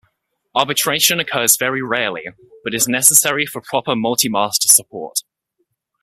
Arbitration occurs very rarely, but is necessary for proper multi-master support.